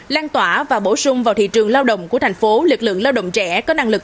lan tỏa và bổ sung vào thị trường lao động của thành phố lực lượng lao động trẻ có năng lực